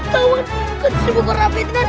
tauan kursi gua rapi dengan